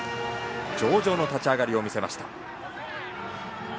上々の立ち上がりを見せました。